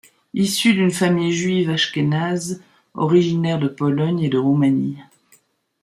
Issue d'une famille juive ashkénaze originaire de Pologne et de Roumanie.